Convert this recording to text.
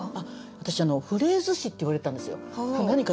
私「フレーズ師」っていわれてたんですよ。